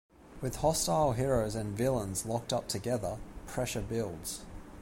With hostile heroes and villains locked up together, pressure builds.